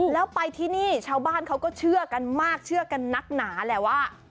แล้วไปที่นี่ชาวบ้านเขาก็เชื่อกันมากเชื่อกันนักหนาแหละว่า